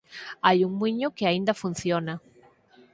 Hai un muíño que aínda funciona.